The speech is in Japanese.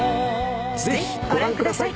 ぜひご覧ください。